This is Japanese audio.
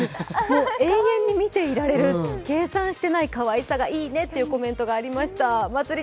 永遠に見ていられる計算してないかわいさがいいねというコメントがありました。